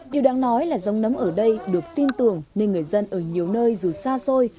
điều đáng nói là dông nấm ở đây được tin tưởng nên người dân ở nhiều nơi dù xa xôi